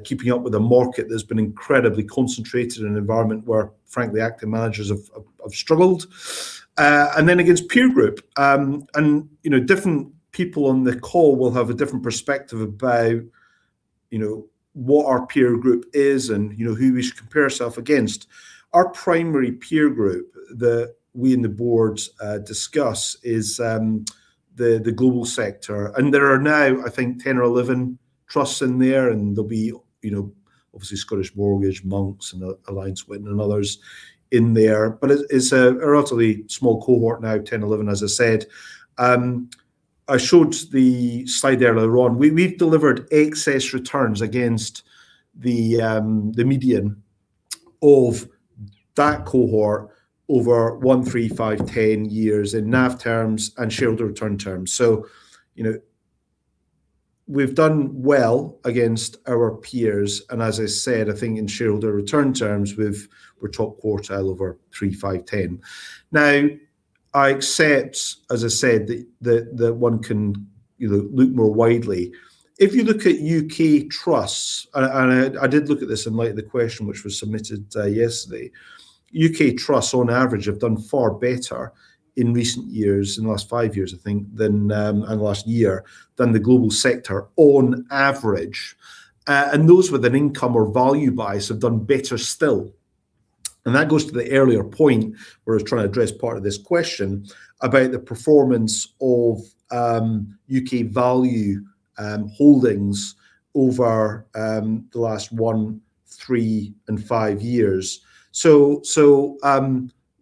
keeping up with a market that's been incredibly concentrated in an environment where, frankly, active managers have struggled. And then against peer group. And, you know, different people on the call will have a different perspective about, you know, what our peer group is and, you know, who we should compare ourself against. Our primary peer group that we and the board discuss is the global sector. And there are now, I think, 10 or 11 trusts in there, and there'll be, you know, obviously, Scottish Mortgage, Monks, and Alliance, Witan, and others in there, but it's a relatively small cohort now, 10 or 11, as I said. I showed the slide earlier on. We've delivered excess returns against the median of that cohort over 1, 3, 5, 10 years in NAV terms and shareholder return terms. So, you know, we've done well against our peers, and as I said, I think in shareholder return terms, we've... We're top quartile over 3, 5, 10. Now, I accept, as I said, that one can, you know, look more widely. If you look at U.K. trusts, and I did look at this in light of the question which was submitted yesterday. U.K. trusts, on average, have done far better in recent years, in the last 5 years, I think, than, and last year, than the global sector on average. And those with an income or value bias have done better still. And that goes to the earlier point, where I was trying to address part of this question about the performance of U.K. value holdings over the last 1, 3, and 5 years. So,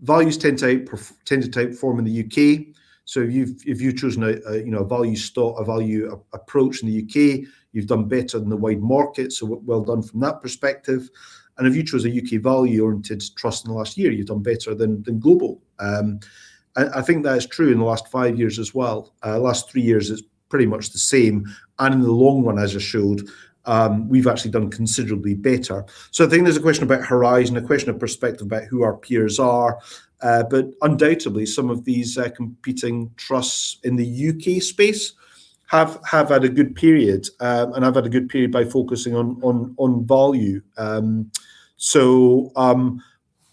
values tend to outperform in the U.K.. So if you've chosen a, you know, a value stock- a value approach in the U.K., you've done better than the wide market, so well done from that perspective. If you chose a U.K. value-oriented trust in the last year, you've done better than global. I think that is true in the last 5 years as well. Last 3 years is pretty much the same, and in the long run, as I showed, we've actually done considerably better. So I think there's a question about horizon, a question of perspective about who our peers are. But undoubtedly, some of these competing trusts in the U.K. space have had a good period, and have had a good period by focusing on value. So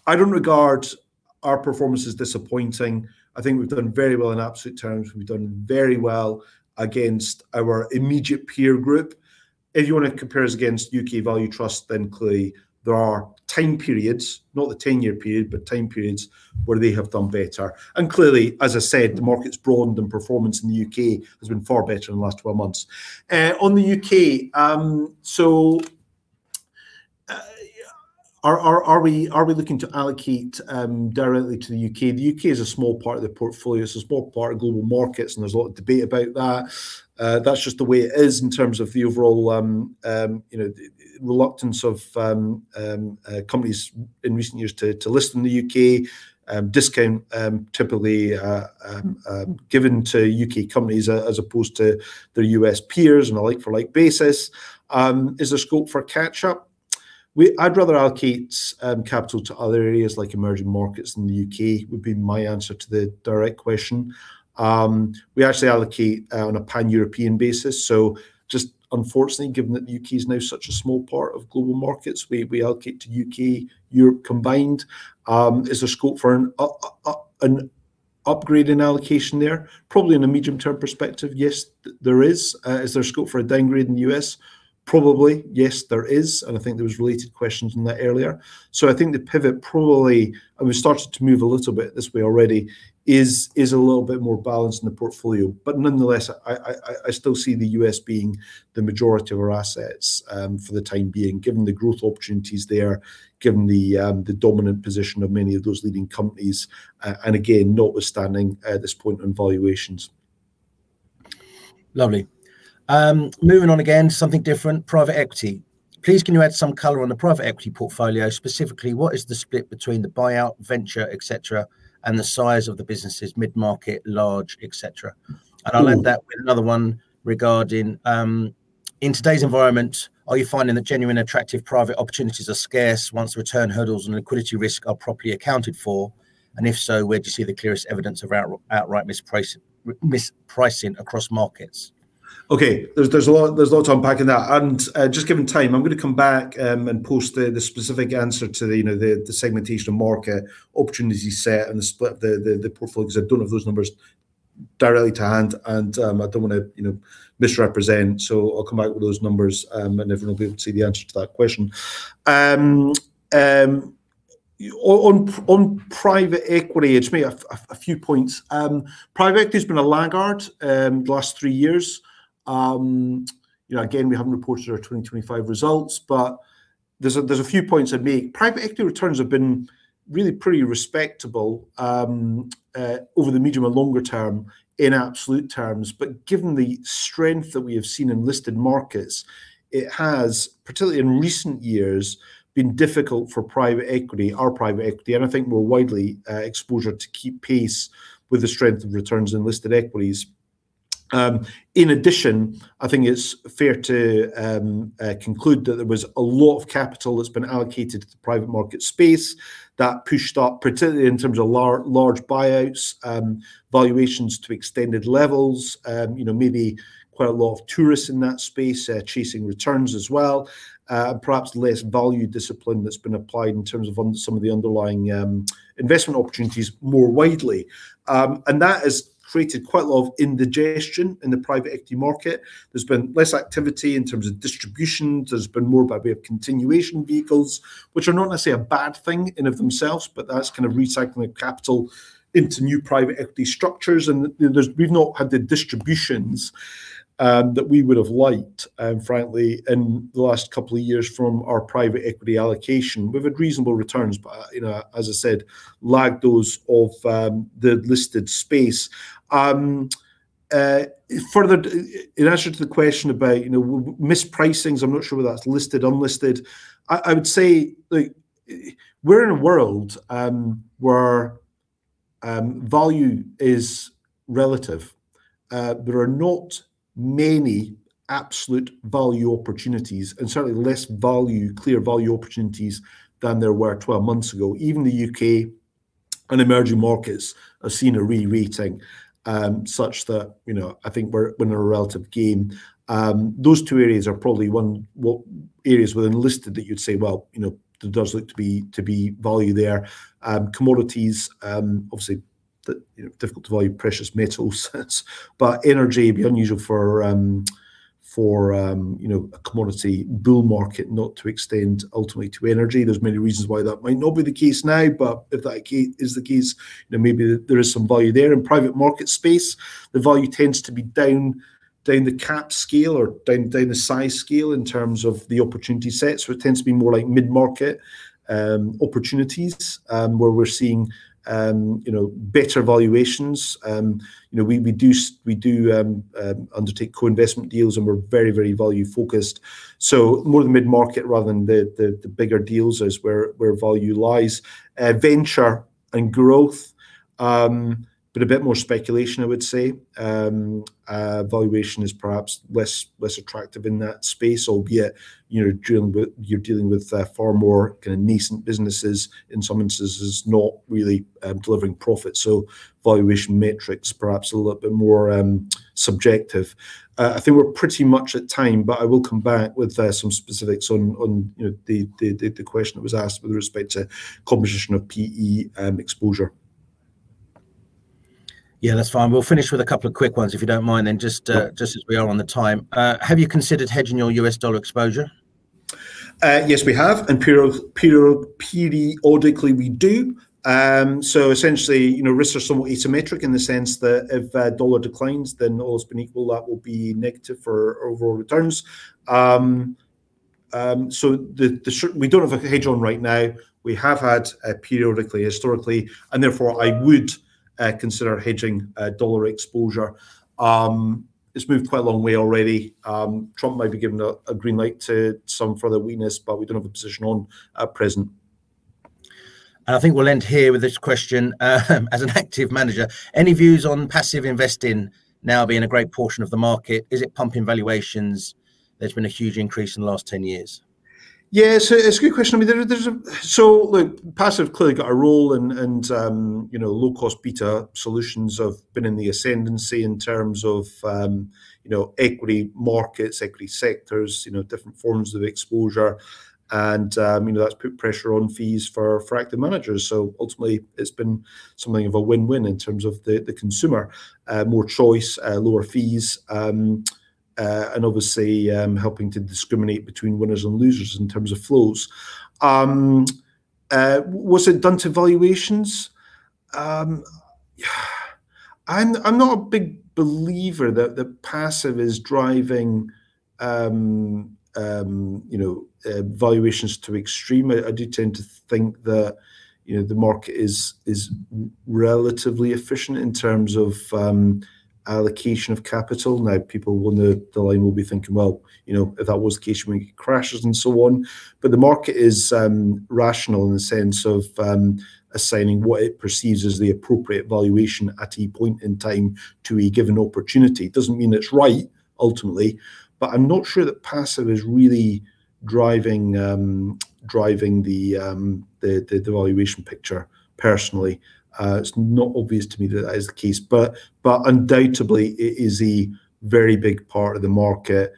I don't regard our performance as disappointing. I think we've done very well in absolute terms. We've done very well against our immediate peer group. If you wanna compare us against U.K. value trusts, then clearly there are time periods, not the 10-year period, but time periods where they have done better. And clearly, as I said, the market's broadened, and performance in the U.K. has been far better in the last 12 months. On the U.K., are we looking to allocate directly to the U.K.? The U.K. is a small part of the portfolio. It's a small part of global markets, and there's a lot of debate about that. That's just the way it is in terms of the overall, you know, reluctance of companies in recent years to list in the U.K.. Discount typically given to U.K. companies as opposed to their U.S. peers on a like for like basis. Is there scope for a catch-up? We... I'd rather allocate capital to other areas like emerging markets than the U.K., would be my answer to the direct question. We actually allocate on a pan-European basis, so just unfortunately, given that the U.K. is now such a small part of global markets, we allocate to U.K., Europe combined. Is there scope for an upgrade in allocation there? Probably in a medium-term perspective, yes, there is. Is there scope for a downgrade in the U.S.? Probably, yes, there is, and I think there was related questions on that earlier. So I think the pivot probably, and we've started to move a little bit this way already, is a little bit more balanced in the portfolio. But nonetheless, I still see the U.S. being the majority of our assets, for the time being, given the growth opportunities there, given the dominant position of many of those leading companies, and again, notwithstanding at this point on valuations. Lovely. Moving on again, something different, private equity. Please, can you add some color on the private equity portfolio? Specifically, what is the split between the buyout, venture, et cetera, and the size of the businesses, mid-market, large, et cetera. And I'll add that with another one regarding, in today's environment, are you finding that genuine, attractive private opportunities are scarce once return hurdles and liquidity risk are properly accounted for? And if so, where do you see the clearest evidence of outright mispricing across markets? Okay, there's a lot, there's a lot to unpack in that, and just given time, I'm gonna come back and post the specific answer to the, you know, the segmentation of market opportunity set and the split, the portfolio, 'cause I don't have those numbers directly to hand, and I don't wanna, you know, misrepresent. So I'll come out with those numbers, and everyone will be able to see the answer to that question. On private equity, it's maybe a few points. Private equity's been a laggard the last three years. You know, again, we haven't reported our 2025 results, but there's a few points I'd make. Private equity returns have been really pretty respectable over the medium and longer term in absolute terms. But given the strength that we have seen in listed markets, it has, particularly in recent years, been difficult for private equity, our private equity, and I think more widely, exposure to keep pace with the strength of returns in listed equities. In addition, I think it's fair to conclude that there was a lot of capital that's been allocated to the private market space that pushed up, particularly in terms of large buyouts, valuations to extended levels. You know, maybe quite a lot of tourists in that space, chasing returns as well. Perhaps less value discipline that's been applied in terms of some of the underlying investment opportunities more widely. And that has created quite a lot of indigestion in the private equity market. There's been less activity in terms of distributions, there's been more by way of continuation vehicles, which are not necessarily a bad thing in and of themselves, but that's kind of recycling the capital into new private equity structures. You know, we've not had the distributions that we would've liked, frankly, in the last couple of years from our private equity allocation. We've had reasonable returns, but, you know, as I said, lag those of the listed space. Further, in answer to the question about, you know, mispricings, I'm not sure whether that's listed, unlisted. I, I would say, look, we're in a world where value is relative. There are not many absolute value opportunities and certainly less value, clear value opportunities than there were 12 months ago. Even the U.K. and emerging markets have seen a re-rating, such that, you know, I think we're winning in a relative game. Those two areas are probably one... what, areas within listed that you'd say, "Well, you know, there does look to be value there." Commodities, obviously, you know, difficult to value precious metals, but energy, it'd be unusual for, you know, a commodity bull market not to extend ultimately to energy. There's many reasons why that might not be the case now, but if that is the case, then maybe there is some value there. In private market space, the value tends to be down the cap scale or down the size scale in terms of the opportunity sets, where it tends to be more like mid-market opportunities, where we're seeing, you know, better valuations. You know, we do undertake co-investment deals, and we're very, very value focused, so more the mid-market rather than the bigger deals is where value lies. Venture and growth, but a bit more speculation, I would say. Valuation is perhaps less attractive in that space, albeit you're dealing with far more kind of nascent businesses, in some instances, not really delivering profit, so valuation metrics perhaps are a little bit more subjective. I think we're pretty much at time, but I will come back with some specifics on, you know, the question that was asked with respect to composition of PE exposure. Yeah, that's fine. We'll finish with a couple of quick ones, if you don't mind, then, just as we are on the time. Have you considered hedging your U.S. dollar exposure? Yes, we have, and periodically, we do. So essentially, you know, risks are somewhat asymmetric in the sense that if dollar declines, then all else being equal, that will be negative for overall returns. So the, we don't have a hedge on right now. We have had periodically, historically, and therefore, I would consider hedging dollar exposure. It's moved quite a long way already. Trump might be giving a green light to some further weakness, but we don't have a position on at present. I think we'll end here with this question: as an active manager, any views on passive investing now being a great portion of the market? Is it pumping valuations? There's been a huge increase in the last 10 years. Yeah, so it's a good question. I mean, there's a... So look, passive clearly got a role, and, and, you know, low-cost beta solutions have been in the ascendancy in terms of, you know, equity markets, equity sectors, you know, different forms of exposure. And, you know, that's put pressure on fees for, for active managers. So ultimately, it's been something of a win-win in terms of the, the consumer. More choice, lower fees, and obviously, helping to discriminate between winners and losers in terms of flows. What's it done to valuations? I'm not a big believer that the passive is driving, you know, valuations to extreme. I do tend to think that, you know, the market is relatively efficient in terms of allocation of capital. Now, people on the line will be thinking, "Well, you know, if that was the case, we crashes," and so on. But the market is rational in the sense of assigning what it perceives as the appropriate valuation at a point in time to a given opportunity. It doesn't mean it's right, ultimately, but I'm not sure that passive is really driving the valuation picture personally. It's not obvious to me that that is the case. But undoubtedly, it is a very big part of the market,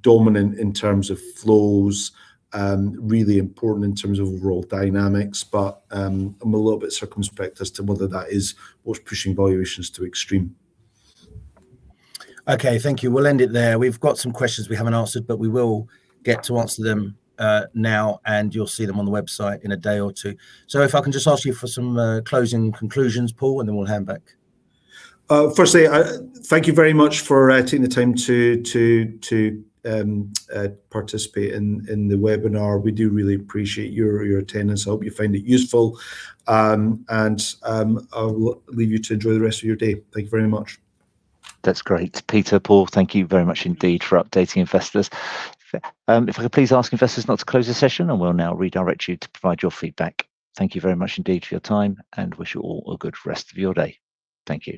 dominant in terms of flows, really important in terms of overall dynamics. But I'm a little bit circumspect as to whether that is what's pushing valuations to extreme. Okay, thank you. We'll end it there. We've got some questions we haven't answered, but we will get to answer them, now, and you'll see them on the website in a day or two. So if I can just ask you for some closing conclusions, Paul, and then we'll hand back. Firstly, thank you very much for taking the time to participate in the webinar. We do really appreciate your attendance. I hope you find it useful. I'll leave you to enjoy the rest of your day. Thank you very much. That's great. Peter, Paul, thank you very much indeed for updating investors. If I could please ask investors not to close this session, and we'll now redirect you to provide your feedback. Thank you very much indeed for your time, and wish you all a good rest of your day. Thank you.